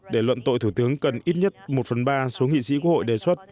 để luận tội thủ tướng cần ít nhất một phần ba số nghị sĩ quốc hội đề xuất